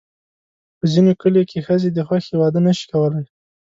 په ځینو کلیو کې ښځې د خوښې واده نه شي کولی.